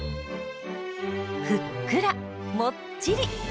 ふっくらもっちり！